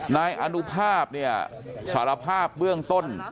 นายอนุภาพเนี่ยสารภาพเบื้องต้น